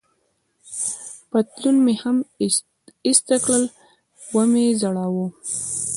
پتلون مې هم ایسته کړ، و مې ځړاوه.